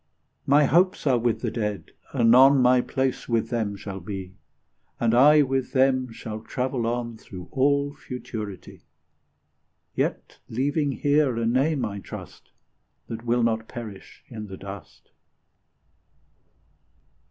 My hopes are with the Dead ; anon My place with them will be, And I with them shall travel on Through all Futurity ;' Yet leaving here a name, I trust, That will not perish in the dust.